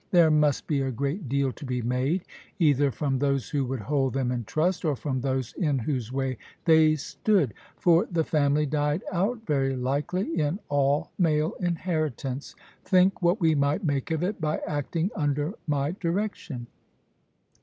There must be a great deal to be made, either from those who would hold them in trust, or from those in whose way they stood. For the family died out, very likely, in all male inheritance. Think what we might make of it, by acting under my direction.